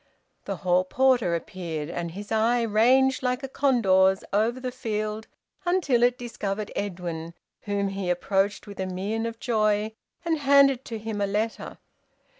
The hall porter appeared, and his eye ranged like a condor's over the field until it discovered Edwin, whom he approached with a mien of joy and handed to him a letter.